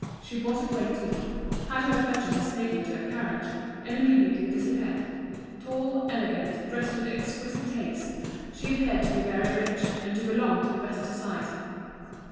She bought a great deal, had her purchases taken to her carriage, and immediately disappeared. Tall, elegant, dressed with exquisite taste, she appeared to be very rich, and to belong to the best society.